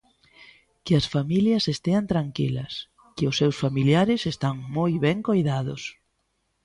Que as familias estean tranquilas, que os seus familiares están moi ben coidados.